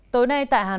tối nay tại hà nội